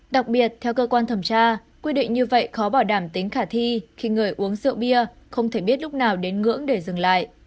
đặc biệt theo cơ quan thẩm tra quy định như vậy khó bảo đảm tính khả thi khi người uống rượu bia không thể biết lúc nào đến ngưỡng để dừng lại